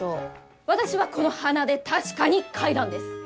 私はこの鼻で確かに嗅いだんです！